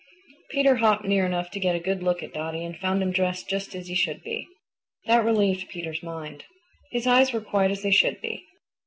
Peter hopped near enough to get a good look at Dotty and found him dressed just as he should be. That relieved Peter's mind. His eyes were quite as they should be.